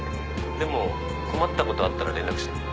でも困ったことあったら連絡して。